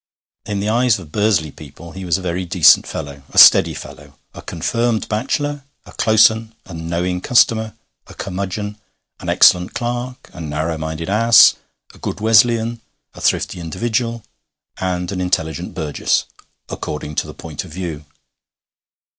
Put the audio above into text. In the eyes of Bursley people he was a very decent fellow, a steady fellow, a confirmed bachelor, a close un, a knowing customer, a curmudgeon, an excellent clerk, a narrow minded ass, a good Wesleyan, a thrifty individual, and an intelligent burgess according to the point of view.